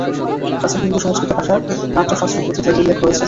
প্রাচীন হিন্দু সংস্কৃত ভাষার "নাট্য শাস্ত্র" পুঁথিতে এর উল্লেখ রয়েছে।